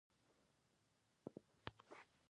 یووالی د انسان اصلي حالت دی.